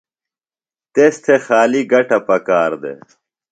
تس تھےۡ خالیۡ گٹہ پکار دےۡ۔